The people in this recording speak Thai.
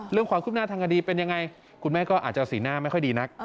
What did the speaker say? ความคืบหน้าทางคดีเป็นยังไงคุณแม่ก็อาจจะสีหน้าไม่ค่อยดีนัก